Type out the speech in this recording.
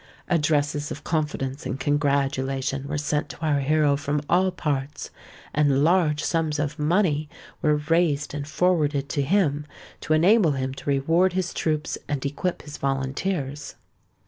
Addresses of confidence and congratulation were sent to our hero from all parts; and large sums of money were raised and forwarded to him, to enable him to reward his troops and equip his volunteers.